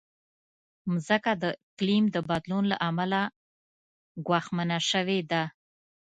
مځکه د اقلیم د بدلون له امله ګواښمنه شوې ده.